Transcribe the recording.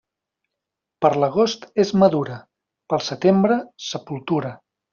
Per l'agost és madura; pel setembre, sepultura.